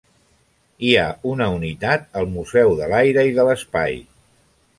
Hi ha una unitat al Museu de l'Aire i de l'Espai.